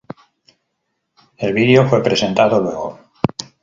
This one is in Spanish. El video fue presentado luego.